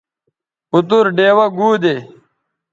اوتر ڈیوہ گو دے